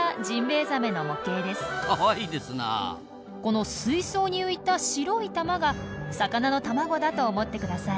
この水槽に浮いた白い玉が魚の卵だと思ってください。